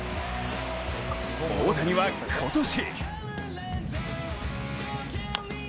大谷は今年。